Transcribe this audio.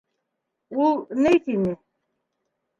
Ул ни тине...